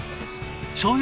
しょうゆ